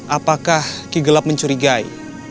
apakah ki gelap mencurigai